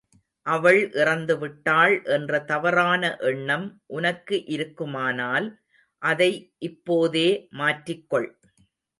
அவள் இறந்துவிட்டாள் என்ற தவறான எண்ணம் உனக்கு இருக்குமானால் அதை இப்போதே மாற்றிக்கொள்.